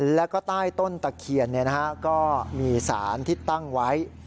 แล้วก็ใต้ต้นตะเคียนก็มีสารที่ตั้งไว้